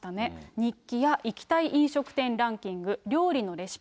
日記や行きたい飲食店ランキング、料理のレシピ。